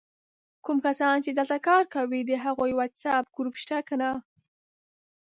کوم کسان چې دلته کار کوي د هغوي وټس آپ ګروپ سته که یا؟!